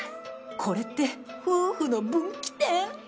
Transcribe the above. これって、夫婦の分岐点？